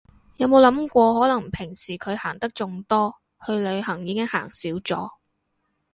有冇諗過可能平時佢行得仲多，去旅行已經行少咗